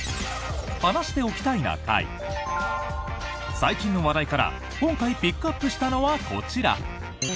最近の話題から今回ピックアップしたのはこちら。